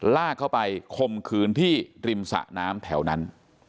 ลากเข้าไปคมขืนที่ริมสะน้ำแถวนั้น